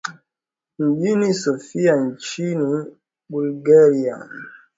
mjini sophia nchini bulgaria